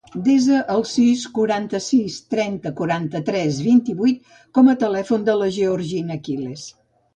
Desa el sis, quaranta-sis, trenta, quaranta-tres, vint-i-vuit com a telèfon de la Georgina Quiles.